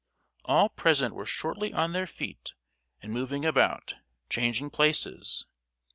All present were shortly on their feet and moving about, changing places.